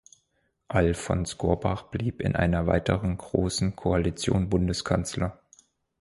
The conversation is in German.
Alfons Gorbach blieb in einer weiteren Großen Koalition Bundeskanzler.